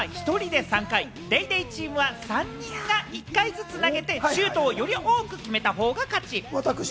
広瀬さんは１人で３回、ＤａｙＤａｙ．チームは３人が１回ずつ投げて、シュートをより多く決めた方が勝ち。